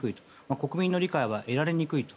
国民の理解は得られにくいと。